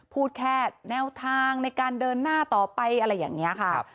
พูดแค่แนวทางในการเดินหน้าต่อไปอะไรอย่างนี้ค่ะ